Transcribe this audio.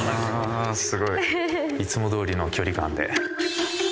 いつもどおりの距離感で。